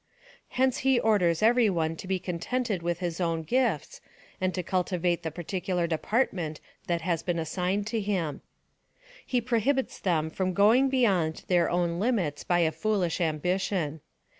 Hence he orders every one to be contented with his own gifts, and cultivate the particular department that has been assigned to him.^ He prohibits them from going beyond their own limits by a foolish ambition.